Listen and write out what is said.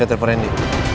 saya telepon randy